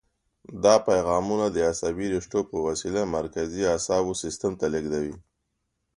دا پیغامونه د عصبي رشتو په وسیله مرکزي اعصابو سیستم ته لېږدوي.